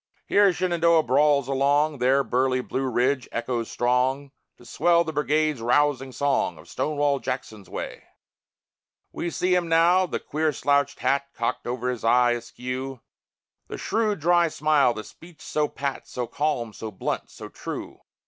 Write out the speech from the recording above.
Here Shenandoah brawls along, There burly Blue Ridge echoes strong, To swell the Brigade's rousing song Of "Stonewall Jackson's way." We see him now the queer slouched hat Cocked o'er his eye askew; The shrewd, dry smile; the speech so pat, So calm, so blunt, so true.